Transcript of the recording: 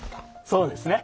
そうですね。